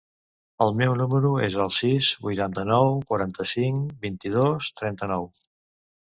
El meu número es el sis, vuitanta-nou, quaranta-cinc, vint-i-dos, trenta-nou.